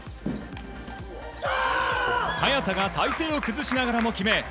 早田が体勢を崩しながらも決め